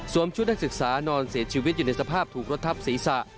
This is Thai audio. ชุดนักศึกษานอนเสียชีวิตอยู่ในสภาพถูกรถทับศีรษะ